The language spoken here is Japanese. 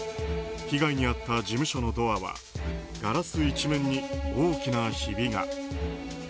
被害に遭った事務所のドアはガラス一面に大きなひびが。